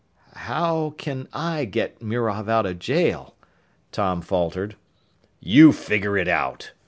"How can I get Mirov out of jail?" Tom faltered. "You figure it out!"